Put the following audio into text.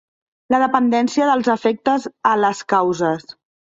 La dependència dels efectes a les causes.